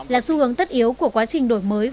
là xu hướng tất yếu của quá trình đổi mới